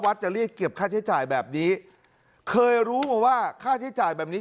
จะเรียกเก็บค่าใช้จ่ายแบบนี้เคยรู้มาว่าค่าใช้จ่ายแบบนี้